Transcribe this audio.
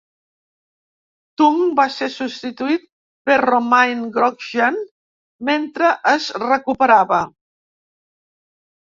Tung va ser substituït per Romain Grosjean mentre es recuperava.